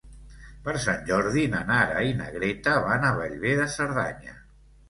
Per Sant Jordi na Nara i na Greta van a Bellver de Cerdanya.